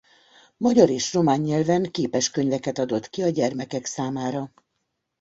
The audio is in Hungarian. Magyar és román nyelven képeskönyveket adott ki a gyermekek számára.